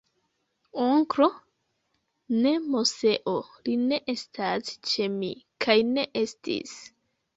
Onklo!? Ne, Moseo, li ne estas ĉe mi, kaj ne estis.